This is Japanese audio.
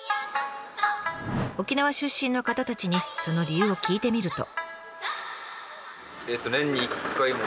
沖縄出身の方たちにその理由を聞いてみると。